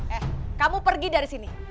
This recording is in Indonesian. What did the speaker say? eh kamu pergi dari sini